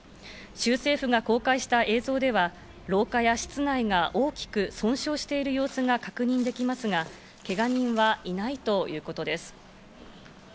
州政府が公開した映像では廊下や室内の大きく損傷している様子が確認できますが、けが人はいないということです。